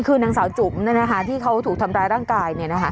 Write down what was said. คือนางสาวจุ๋มที่เขาถูกทำร้ายร่างกาย